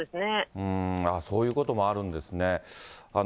そういうこともあるんですね。